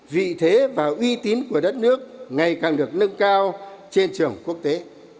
vị thế và uy tín của đất nước ngày càng được nâng cao trên trường quốc tế